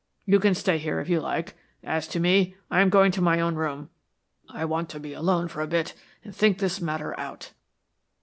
You can stay here if you like as to me, I am going to my own room. I want to be alone for a bit and think this matter out."